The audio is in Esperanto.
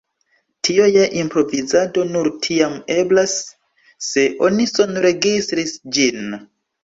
Tio je improvizado nur tiam eblas, se oni sonregistris ĝin.